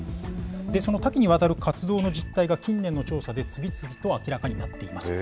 その多岐にわたる活動の実態が近年の調査で次々と明らかになっています。